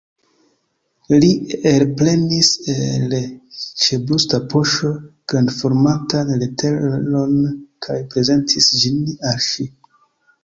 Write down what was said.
Li elprenis el ĉebrusta poŝo grandformatan leteron kaj prezentis ĝin al ŝi.